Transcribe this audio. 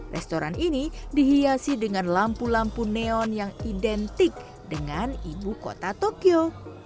restoran ini dihiasi dengan lampu lampu neon yang identik dengan ibu kota tokyo